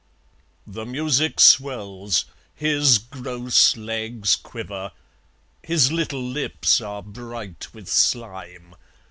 The music swells. His gross legs quiver. His little lips are bright with slime.